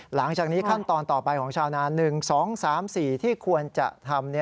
หลังจากนี้ขั้นตอนต่อไปของชาวนา๑๒๓๔ที่ควรจะทำ